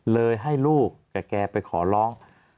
เลยให้ลูกกับแกไปขอร้อง